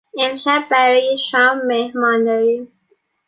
امشب برای شام مهمان داریم.